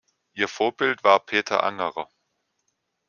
Ihr Vorbild war Peter Angerer.